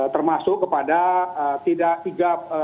termasuk kepada tidak tiga